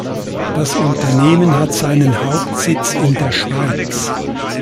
Das Unternehmen hat seinen Hauptsitz in der Schweiz.